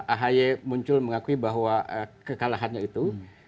ahy muncul mengakui bahwa kekalahannya itu